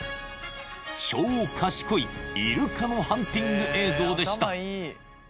超賢いイルカのハンティング映像でした